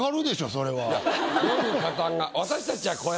それは。